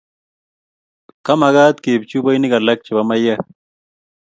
kamagaat keib chubainik alak chebo maywek